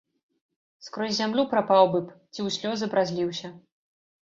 Скрозь зямлю прапаў бы б ці ў слёзы б разліўся!